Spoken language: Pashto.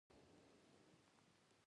کروندګر د حاصل له پاره صبر کوي